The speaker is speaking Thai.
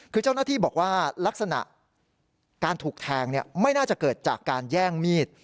คือเจ้าหน้าที่บอกว่าลักษณะการถูกแทงไม่น่าจะเกิดจากการแย่งมีด